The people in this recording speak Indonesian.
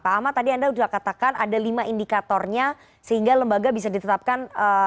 pak ahmad tadi anda sudah katakan ada lima indikatornya sehingga lembaga bisa ditetapkan